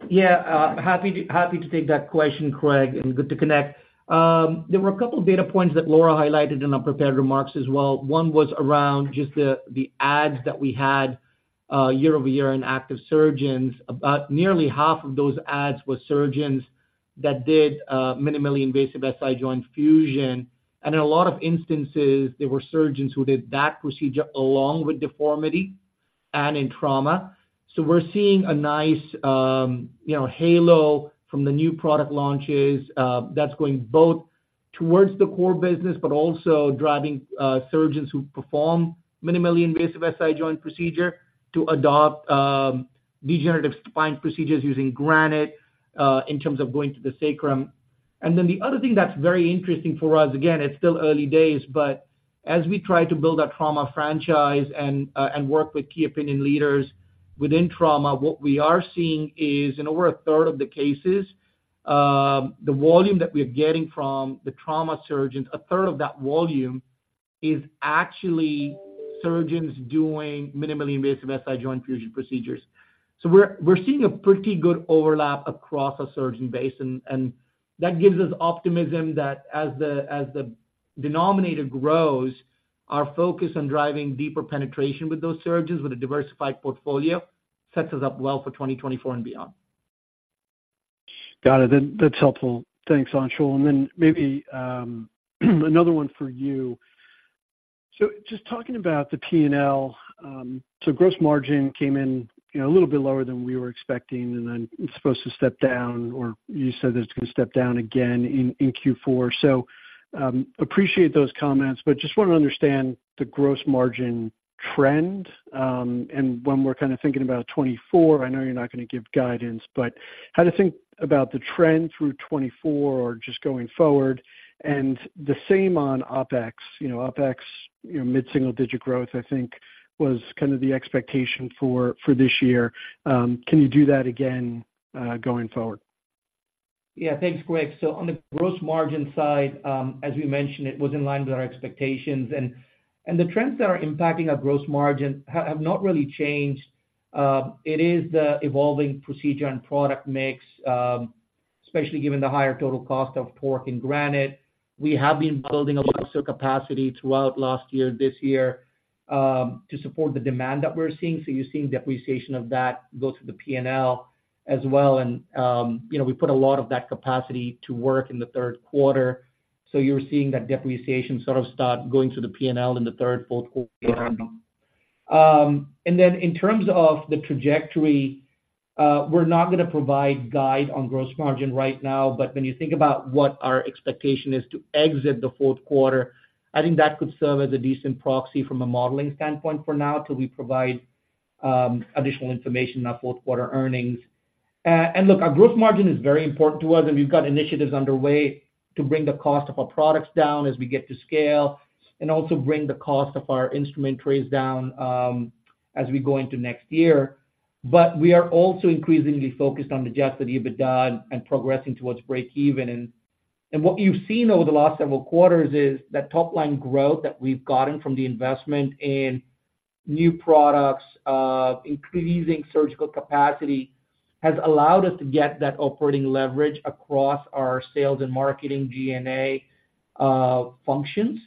Yeah, happy to take that question, Craig, and good to connect. There were a couple of data points that Laura highlighted in our prepared remarks as well. One was around just the ads that we had year-over-year in active surgeons. About nearly half of those ads were surgeons that did minimally invasive SI joint fusion, and in a lot of instances, they were surgeons who did that procedure along with deformity and in trauma. So we're seeing a nice, you know, halo from the new product launches, that's going both towards the core business, but also driving surgeons who perform minimally invasive SI joint procedure to adopt regenerative spine procedures using Granite in terms of going to the sacrum. And then the other thing that's very interesting for us, again, it's still early days, but as we try to build our trauma franchise and and work with key opinion leaders within trauma, what we are seeing is, in over a third of the cases, the volume that we are getting from the trauma surgeons, a third of that volume is actually surgeons doing minimally invasive SI joint fusion procedures. So we're seeing a pretty good overlap across our surgeon base, and that gives us optimism that as the denominator grows, our focus on driving deeper penetration with those surgeons, with a diversified portfolio, sets us up well for 2024 and beyond. Got it. That, that's helpful. Thanks, Anshul. And then maybe, another one for you. So just talking about the P&L, so gross margin came in, you know, a little bit lower than we were expecting, and then it's supposed to step down, or you said it's going to step down again in Q4. So, appreciate those comments, but just want to understand the gross margin trend. And when we're kind of thinking about 2024, I know you're not going to give guidance, but how to think about the trend through 2024 or just going forward? And the same on OpEx. You know, OpEx, you know, mid-single-digit growth, I think, was kind of the expectation for this year. Can you do that again, going forward? Yeah. Thanks, Craig. So on the gross margin side, as we mentioned, it was in line with our expectations, and the trends that are impacting our gross margin have not really changed. It is the evolving procedure and product mix, especially given the higher total cost of TORQ and Granite. We have been building a lot of capacity throughout last year, this year, to support the demand that we're seeing. So you're seeing depreciation of that go through the P&L as well, and, you know, we put a lot of that capacity to work in the third quarter. So you're seeing that depreciation sort of start going to the P&L in the third, fourth quarter. And then in terms of the trajectory, we're not going to provide guide on gross margin right now, but when you think about what our expectation is to exit the fourth quarter, I think that could serve as a decent proxy from a modeling standpoint for now, till we provide additional information on fourth quarter earnings. And look, our gross margin is very important to us, and we've got initiatives underway to bring the cost of our products down as we get to scale, and also bring the cost of our instrument trays down, as we go into next year. But we are also increasingly focused on the Adjusted EBITDA and progressing towards breakeven. What you've seen over the last several quarters is that top line growth that we've gotten from the investment in new products, increasing surgical capacity, has allowed us to get that operating leverage across our sales and marketing G&A functions,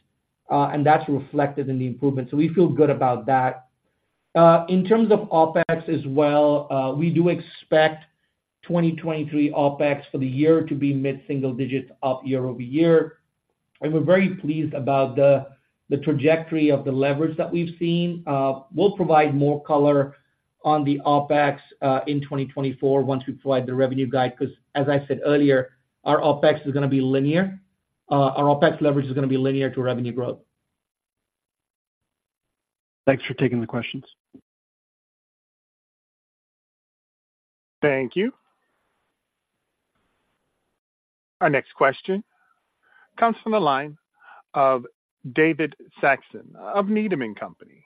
and that's reflected in the improvement. So we feel good about that. In terms of OpEx as well, we do expect 2023 OpEx for the year to be mid-single digits% up year-over-year, and we're very pleased about the trajectory of the leverage that we've seen. We'll provide more color on the OpEx in 2024 once we provide the revenue guide, because, as I said earlier, our OpEx is going to be linear. Our OpEx leverage is going to be linear to revenue growth. Thanks for taking the questions. Thank you. Our next question comes from the line of David Saxon of Needham & Company.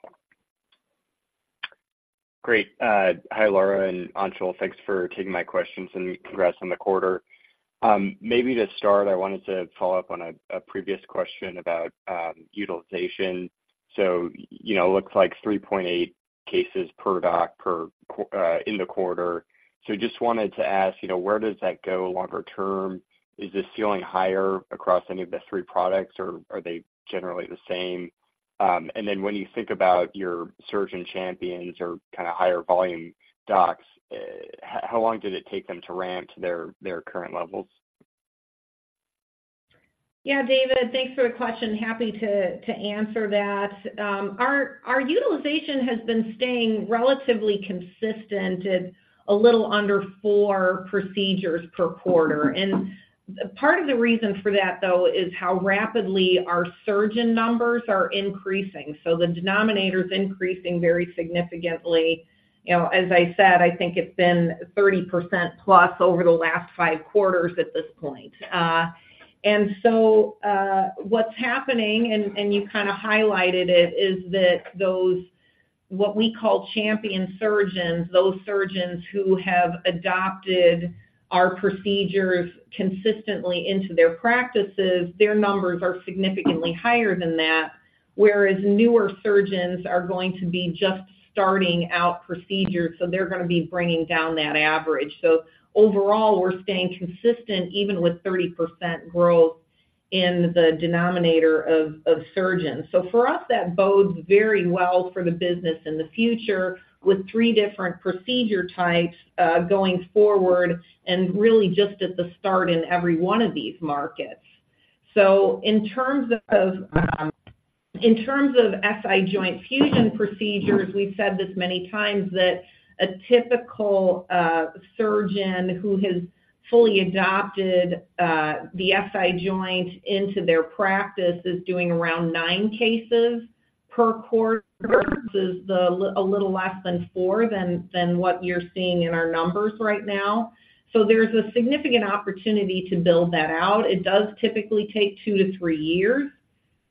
Great. Hi, Laura and Anshul. Thanks for taking my questions and congrats on the quarter. Maybe to start, I wanted to follow up on a previous question about utilization. So you know, it looks like 3.8 cases per doctor in the quarter. So just wanted to ask, you know, where does that go longer-term? Is this ceiling higher across any of the three products, or are they generally the same? And then when you think about your surgeon champions or kind of higher volume docs, how long did it take them to ramp to their current levels? Yeah, David, thanks for the question. Happy to answer that. Our utilization has been staying relatively consistent at a little under four procedures per quarter. And part of the reason for that, though, is how rapidly our surgeon numbers are increasing. So the denominator is increasing very significantly. You know, as I said, I think it's been 30%+ over the last five quarters at this point. And so, what's happening, and you kinda highlighted it, is that those what we call champion surgeons, those surgeons who have adopted our procedures consistently into their practices, their numbers are significantly higher than that, whereas newer surgeons are going to be just starting out procedures, so they're going to be bringing down that average. So overall, we're staying consistent even with 30% growth in the denominator of surgeons. So for us, that bodes very well for the business in the future, with three different procedure types going forward, and really just at the start in every one of these markets. So in terms of SI joint fusion procedures, we've said this many times, that a typical surgeon who has fully adopted the SI joint into their practice is doing around nine cases per quarter. This is a little less than four than what you're seeing in our numbers right now. So there's a significant opportunity to build that out. It does typically take two to three years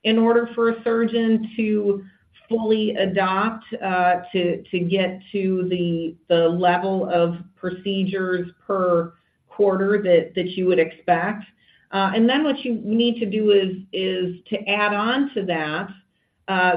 in order for a surgeon to fully adopt, to get to the level of procedures per quarter that you would expect. And then what you need to do is to add on to that,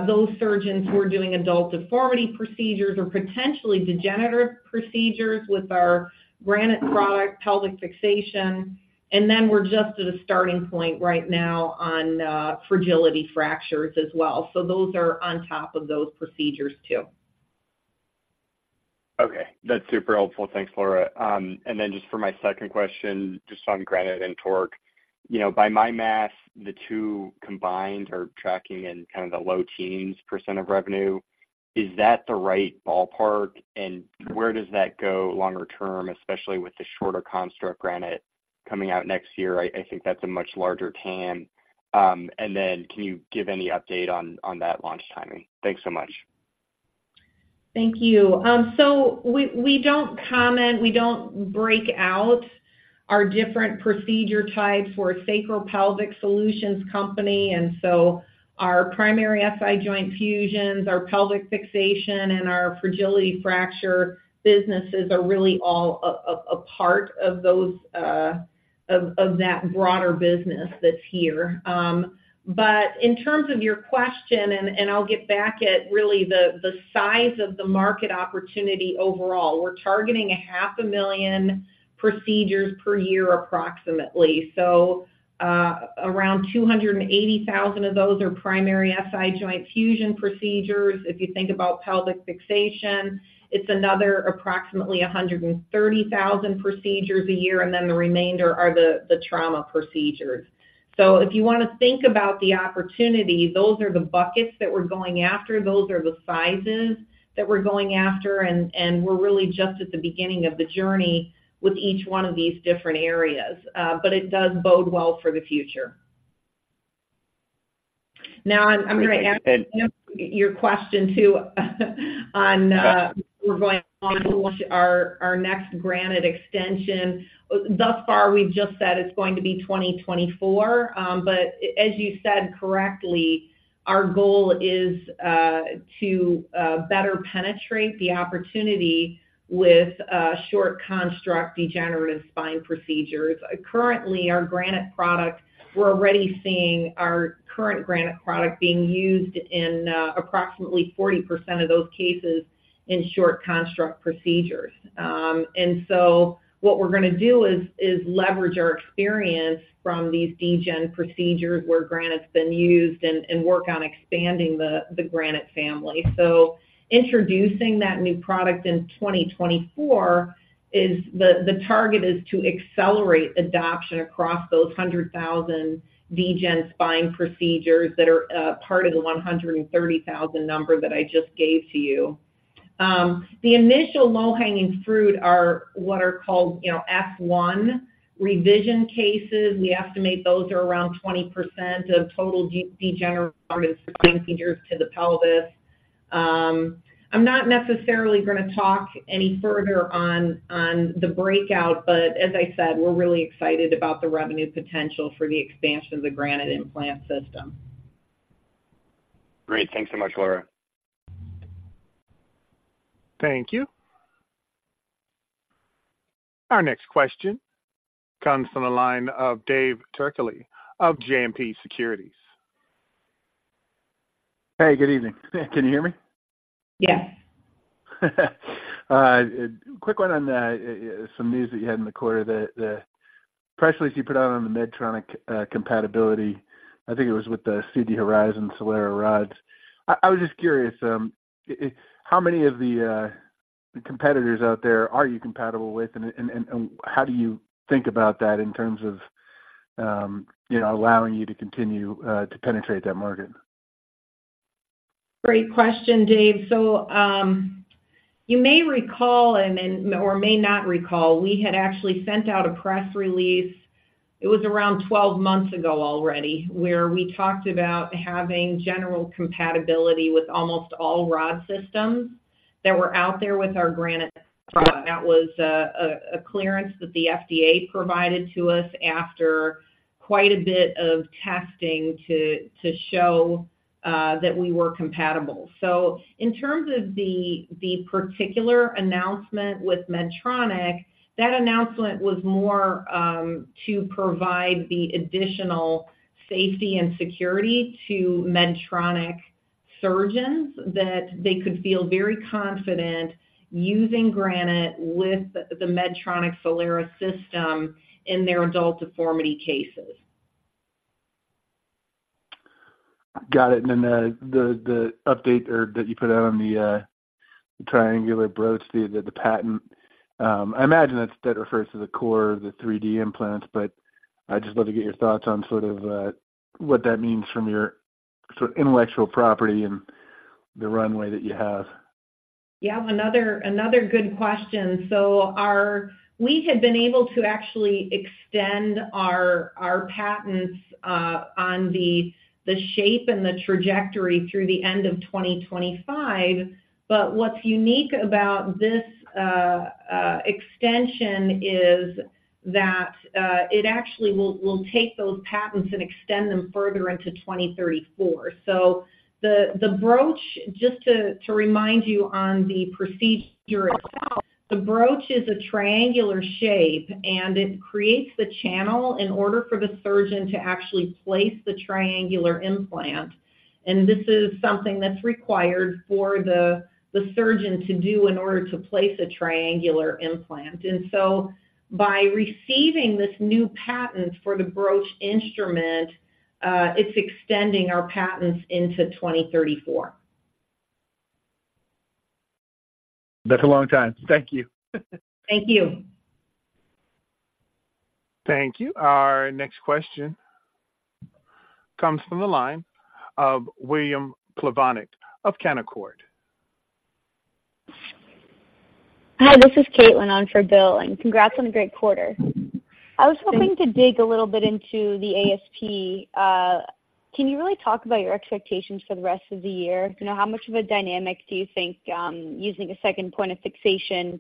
those surgeons who are doing adult deformity procedures or potentially degenerative procedures with our Granite product, pelvic fixation. And then we're just at a starting point right now on, fragility fractures as well. So those are on top of those procedures, too. Okay, that's super helpful. Thanks, Laura. And then just for my second question, just on Granite and TORQ. You know, by my math, the two combined are tracking in kind of the low teens% of revenue. Is that the right ballpark, and where does that go longer term, especially with the shorter construct, Granite, coming out next year? I think that's a much larger TAM. And then can you give any update on that launch timing? Thanks so much. Thank you. So we don't comment, we don't break out our different procedure types for Sacropelvic Solutions company, and so our primary SI joint fusions, our pelvic fixation, and our fragility fracture businesses are really all a part of that broader business that's here. But in terms of your question, and I'll get back at really the size of the market opportunity overall, we're targeting 500,000 procedures per year, approximately. So around 280,000 of those are primary SI joint fusion procedures. If you think about pelvic fixation, it's another approximately 130,000 procedures a year, and then the remainder are the trauma procedures. So if you want to think about the opportunity, those are the buckets that we're going after. Those are the sizes that we're going after, and we're really just at the beginning of the journey with each one of these different areas, but it does bode well for the future. Now, I'm going to answer your question, too, on we're going on our, our next Granite extension. Thus far, we've just said it's going to be 2024, but as you said correctly, our goal is to better penetrate the opportunity with short construct degenerative spine procedures. Currently, our Granite products, we're already seeing our current Granite product being used in approximately 40% of those cases in short construct procedures. And so what we're gonna do is leverage our experience from these degen procedures, where Granite's been used, and work on expanding the Granite family. So introducing that new product in 2024 is the target is to accelerate adoption across those 100,000 degenerative spine procedures that are part of the 130,000 number that I just gave to you. The initial low-hanging fruit are what are called, you know, S1 revision cases. We estimate those are around 20% of total degenerative spine procedures to the pelvis. I'm not necessarily going to talk any further on the breakout, but as I said, we're really excited about the revenue potential for the expansion of the Granite implant system. Great. Thanks so much, Laura. Thank you. Our next question comes from the line of David Turkaly of JMP Securities. Hey, good evening. Can you hear me? Yes. Quick one on some news that you had in the quarter, the press release you put out on the Medtronic compatibility. I think it was with the CD HORIZON SOLERA rods. I was just curious how many of the competitors out there are you compatible with? And how do you think about that in terms of you know, allowing you to continue to penetrate that market? Great question, Dave. So, you may recall and then, or may not recall, we had actually sent out a press release, it was around 12 months ago already, where we talked about having general compatibility with almost all rod systems that were out there with our Granite product. That was a clearance that the FDA provided to us after quite a bit of testing to show that we were compatible. So in terms of the particular announcement with Medtronic, that announcement was more to provide the additional safety and security to Medtronic surgeons, that they could feel very confident using Granite with the Medtronic Solera system in their adult deformity cases. Got it. And then, the update or that you put out on the triangular broach, the patent. I imagine that refers to the core of the 3D implants, but I'd just love to get your thoughts on sort of what that means from your sort of intellectual property and the runway that you have. Yeah, another good question. So we had been able to actually extend our patents on the shape and the trajectory through the end of 2025. But what's unique about this extension is that it actually will take those patents and extend them further into 2034. So the broach, just to remind you on the procedure itself, the broach is a triangular shape, and it creates the channel in order for the surgeon to actually place the triangular implant. And this is something that's required for the surgeon to do in order to place a triangular implant. And so by receiving this new patent for the broach instrument, it's extending our patents into 2034. That's a long-time. Thank you. Thank you. Thank you. Our next question comes from the line of William Plovanic of Canaccord. Hi, this is Caitlin on for Bill, and congrats on a great quarter. Thanks. I was hoping to dig a little bit into the ASP. Can you really talk about your expectations for the rest of the year? You know, how much of a dynamic do you think, using a second point of fixation,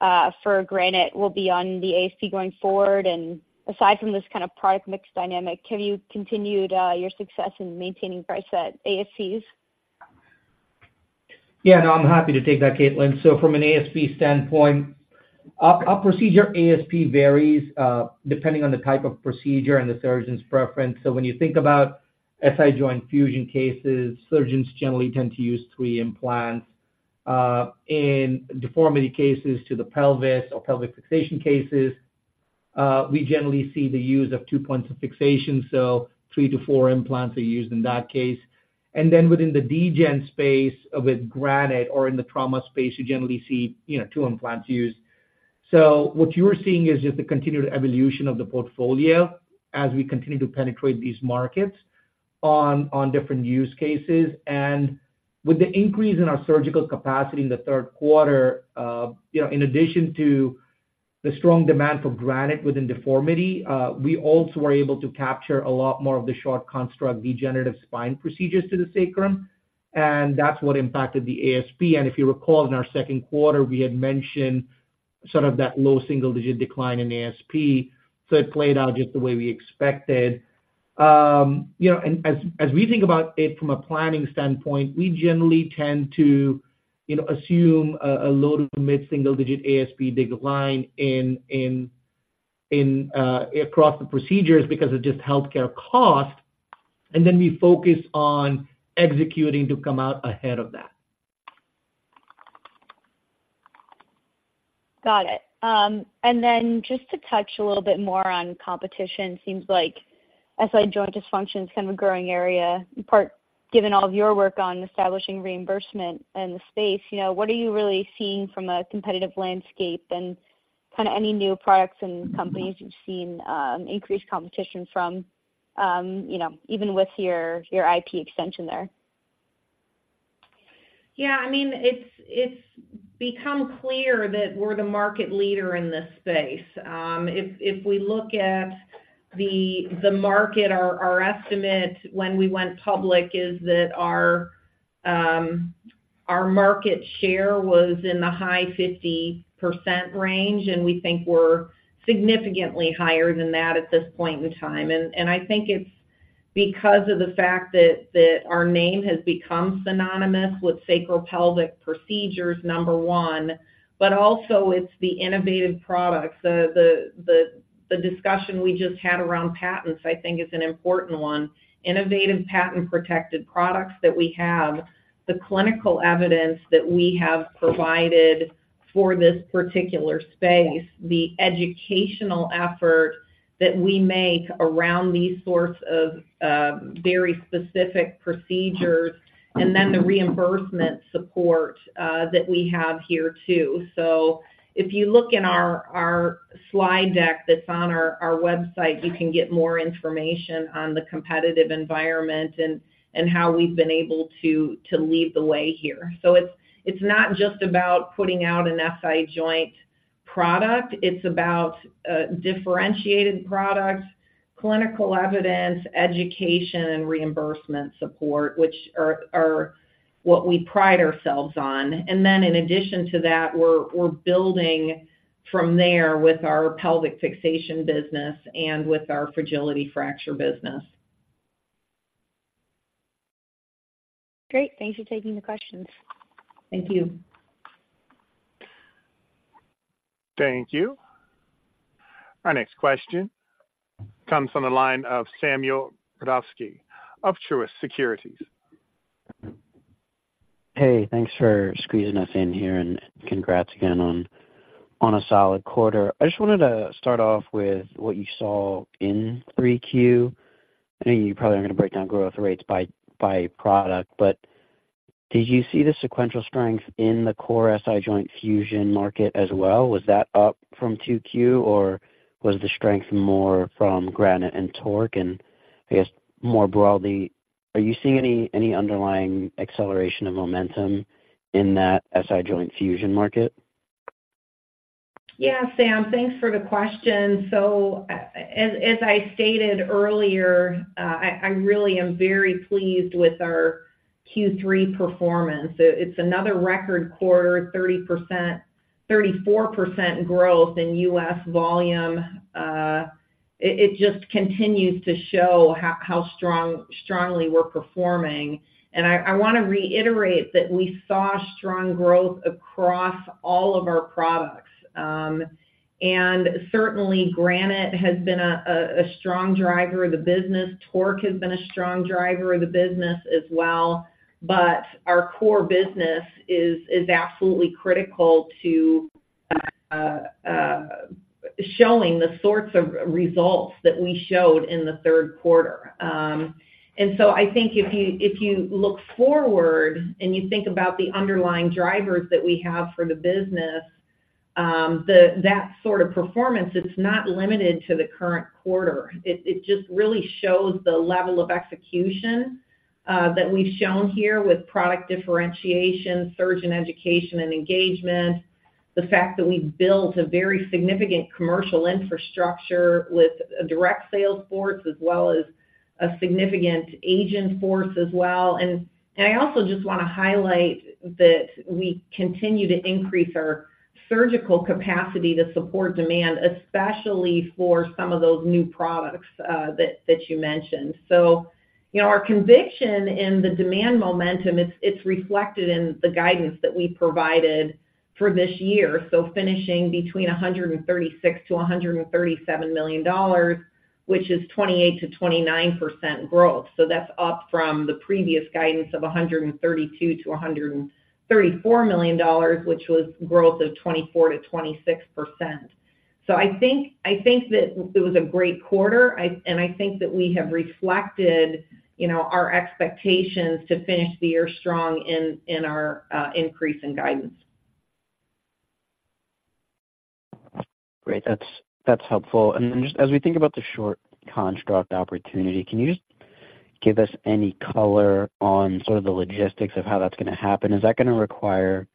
for Granite will be on the ASP going forward? And aside from this kind of product mix dynamic, have you continued, your success in maintaining price at ASPs? Yeah, no, I'm happy to take that, Caitlin. So from an ASP standpoint, a procedure ASP varies, depending on the type of procedure and the surgeon's preference. So when you think about SI joint fusion cases, surgeons generally tend to use three implants. In deformity cases to the pelvis or pelvic fixation cases, we generally see the use of two points of fixation, so 3-4 implants are used in that case. And then within the degen space with Granite or in the trauma space, you generally see, you know, two implants used. So what you're seeing is just the continued evolution of the portfolio as we continue to penetrate these markets on different use cases. With the increase in our surgical capacity in the third quarter, you know, in addition to the strong demand for Granite within deformity, we also were able to capture a lot more of the short construct, degenerative spine procedures to the sacrum, and that's what impacted the ASP. If you recall, in our second quarter, we had mentioned sort of that low single-digit decline in ASP, so it played out just the way we expected. You know, as we think about it from a planning standpoint, we generally tend to, you know, assume a low to mid single-digit ASP decline across the procedures because of just healthcare costs, and then we focus on executing to come out ahead of that. Got it. And then just to touch a little bit more on competition, seems like SI joint dysfunction is kind of a growing area. In part, given all of your work on establishing reimbursement in the space, you know, what are you really seeing from a competitive landscape? And kind of any new products and companies you've seen, increased competition from, you know, even with your, your IP extension there? Yeah, I mean, it's become clear that we're the market leader in this space. If we look at the market, our estimate when we went public is that our market share was in the high 50% range, and we think we're significantly higher than that at this point in time. And I think it's because of the fact that our name has become synonymous with sacral pelvic procedures, number one, but also it's the innovative products. The discussion we just had around patents, I think, is an important one. Innovative, patent-protected products that we have, the clinical evidence that we have provided for this particular space, the educational effort that we make around these sorts of very specific procedures, and then the reimbursement support that we have here, too. So if you look in our slide deck that's on our website, you can get more information on the competitive environment and how we've been able to lead the way here. So it's not just about putting out an SI joint product, it's about differentiated products, clinical evidence, education, and reimbursement support, which are what we pride ourselves on. And then in addition to that, we're building from there with our pelvic fixation business and with our fragility fracture business. Great. Thanks for taking the questions. Thank you. Thank you. Our next question comes from the line of Samuel Brodovsky of Truist Securities. Hey, thanks for squeezing us in here, and congrats again on a solid quarter. I just wanted to start off with what you saw in three Q. I know you probably aren't going to break down growth rates by product, but did you see the sequential strength in the core SI joint fusion market as well? Was that up from two Q, or was the strength more from Granite and TORQ? And I guess, more broadly, are you seeing any underlying acceleration of momentum in that SI joint fusion market? Yeah, Sam, thanks for the question. So as I stated earlier, I really am very pleased with our Q3 performance. It's another record quarter, 34% growth in U.S. volume. It just continues to show how strongly we're performing. And I want to reiterate that we saw strong growth across all of our products. And certainly, Granite has been a strong driver of the business. TORQ has been a strong driver of the business as well. But our core business is absolutely critical to showing the sorts of results that we showed in the third quarter. And so I think if you, if you look forward and you think about the underlying drivers that we have for the business, that sort of performance, it's not limited to the current quarter. It just really shows the level of execution that we've shown here with product differentiation, surgeon education, and engagement. The fact that we've built a very significant commercial infrastructure with a direct sales force, as well as a significant agent force as well. And I also just want to highlight that we continue to increase our surgical capacity to support demand, especially for some of those new products that you mentioned. So, you know, our conviction in the demand momentum, it's reflected in the guidance that we provided for this year. So finishing between $136 million-$137 million, which is 28%-29% growth. So that's up from the previous guidance of $132 million-$134 million, which was growth of 24%-26%. So I think, I think that it was a great quarter. I, and I think that we have reflected, you know, our expectations to finish the year strong in, in our, increase in guidance. Great. That's, that's helpful. And then, just as we think about the short construct opportunity, can you just give us any color on sort of the logistics of how that's going to happen? Is that going to require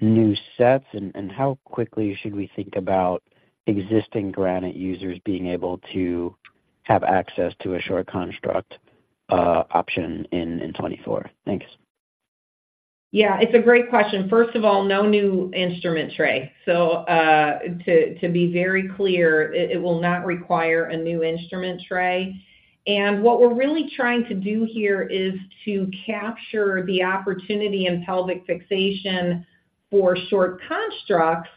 new sets, and how quickly should we think about existing Granite users being able to have access to a short construct option in 2024? Thanks. Yeah, it's a great question. First of all, no new instrument tray. So, to be very clear, it will not require a new instrument tray. And what we're really trying to do here is to capture the opportunity in pelvic fixation for short constructs.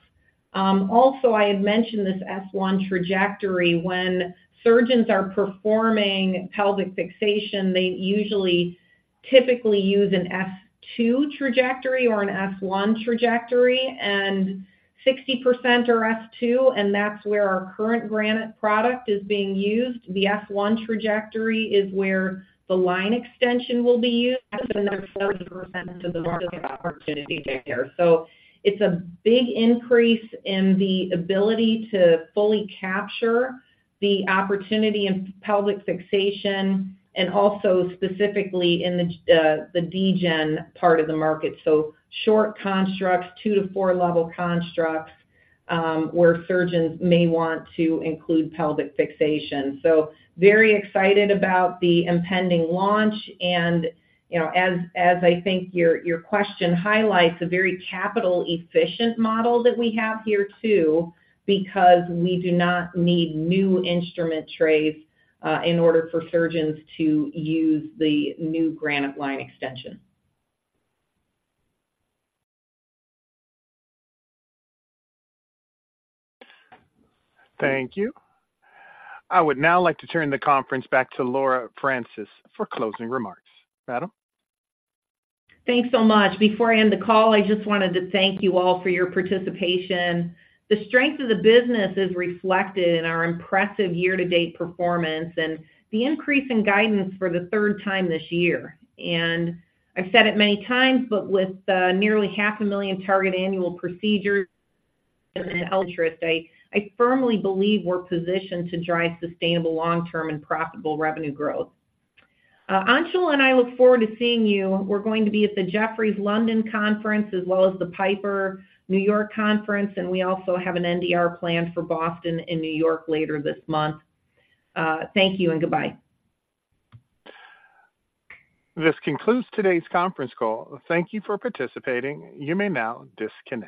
Also, I had mentioned this S1 trajectory. When surgeons are performing pelvic fixation, they usually typically use an S2 trajectory or an S1 trajectory, and 60% are S2, and that's where our current Granite product is being used. The S1 trajectory is where the line extension will be used. That's another 40% of the market opportunity there. So it's a big increase in the ability to fully capture the opportunity in pelvic fixation and also specifically in the degen part of the market. So short constructs, 2 level-4 level constructs, where surgeons may want to include pelvic fixation. So very excited about the impending launch and, you know, as I think your question highlights a very capital efficient model that we have here, too, because we do not need new instrument trays in order for surgeons to use the new Granite line extension. Thank you. I would now like to turn the conference back to Laura Francis for closing remarks. Madam? Thanks so much. Before I end the call, I just wanted to thank you all for your participation. The strength of the business is reflected in our impressive year-to-date performance and the increase in guidance for the third time this year. I've said it many times, but with nearly 500,000 target annual procedures and then interest, I firmly believe we're positioned to drive sustainable long-term and profitable revenue growth. Angela and I look forward to seeing you. We're going to be at the Jefferies London Conference, as well as the Piper New York conference, and we also have an NDR plan for Boston and New York later this month. Thank you and goodbye. This concludes today's conference call. Thank you for participating. You may now disconnect.